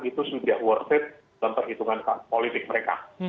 itu sudah worth it dalam perhitungan politik mereka